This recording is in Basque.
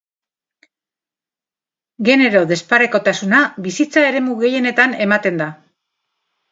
Genero-desparekotasuna bizitza eremu gehienetan ematen da.